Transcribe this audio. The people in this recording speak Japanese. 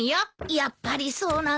やっぱりそうなんだ。